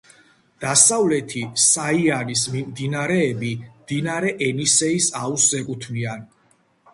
დასავლეთი საიანის მდინარეები მდინარე ენისეის აუზს ეკუთვნიან.